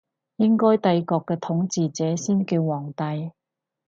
應該帝國嘅統治者先叫皇帝